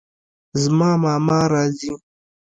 زما ماما راځي